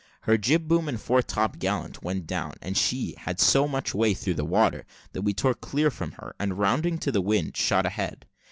Her jib boom and fore topgallant went down, and she had so much way through the water, that we tore clear from her, and rounding to the wind shot a head.